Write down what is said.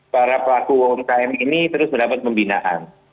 para pelaku umkm ini terus mendapat pembinaan